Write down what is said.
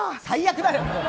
最悪だよ！